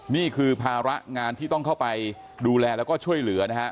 นี่คือภาระงานที่ต้องเข้าไปดูแลแล้วก็ช่วยเหลือนะฮะ